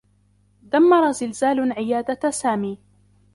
دمّر زلزال عيادة سامي.